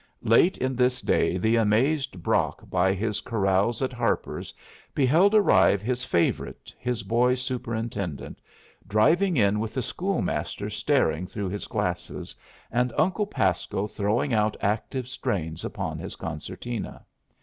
Late in this day the amazed Brock by his corrals at Harper's beheld arrive his favorite, his boy superintendent, driving in with the schoolmaster staring through his glasses, and Uncle Pasco throwing out active strains upon his concertina.